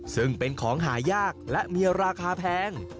ซึ่งเป็นของหายากและมีราคาแพง